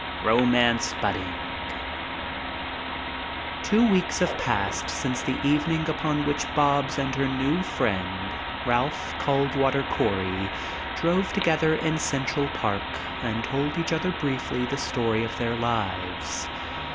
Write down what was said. ROMANCE BUDDING Two weeks have passed since the evening upon which Bobs and her new friend, Ralph Caldwaller Cory, drove together in Central Park and told each other briefly the story of their lives.